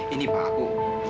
ini pak aku